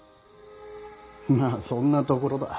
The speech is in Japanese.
まあそんなところだ。